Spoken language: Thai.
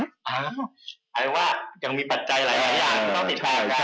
หมายว่ายังมีปัจจัยหลายอย่างที่ต้องติดตามกัน